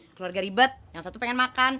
keluarga ribet yang satu pengen makan